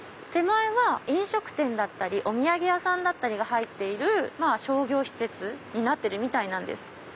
手前は飲食店だったりお土産屋さんが入っている商業施設になってるみたいです。